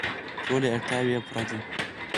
ټولې اړتیاوې یې پوره دي.